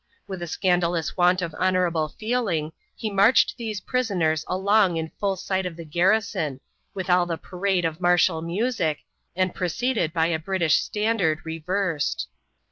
With a scandalous want of honorable feeling he marched these prisoners along in full sight of the garrison, with all the parade of martial music, and preceded by a British standard reversed.